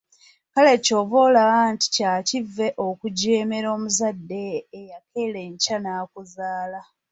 Kale ky'ova olaba nti kya kivve okujeemera omuzadde eyakeera enkya n’akuzaala.